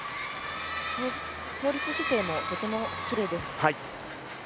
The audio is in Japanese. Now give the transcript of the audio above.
倒立姿勢もとてもきれいです。